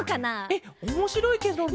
えっおもしろいケロね。